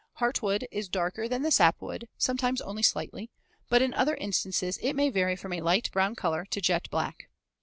Heartwood is darker than the sapwood, sometimes only slightly, but in other instances it may vary from a light brown color to jet black.